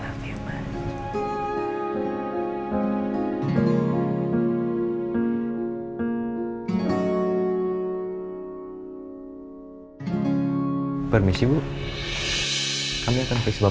aku sangat menyayangimu